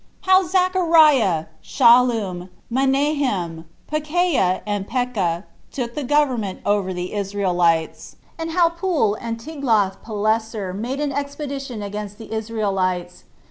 How Zachariah Shallum, Menahem Pekahiah And Pekah Took The Government Over The Israelites; And How Pul And Tiglath Pileser Made An Expedition Against The Israelites.